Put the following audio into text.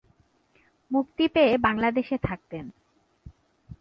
মুক্তি পেয়ে বাংলাদেশে থাকতেন।